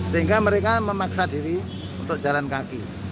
sehingga mereka memaksa diri untuk jalan kaki